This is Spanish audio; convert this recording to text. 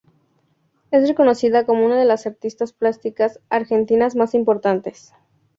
Es reconocida como una de las artistas plásticas argentinas más importantes.